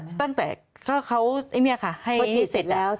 ก็ตั้งแต่เขาให้เสร็จแล้ว